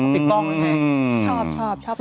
ปิดกล้องได้ไงชอบ